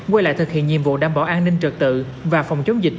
quay lại thực hiện nhiệm vụ đảm bảo an ninh trật tự và phòng chống dịch